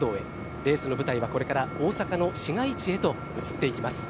レースの舞台はこれから大阪の市街地へと移っていきます。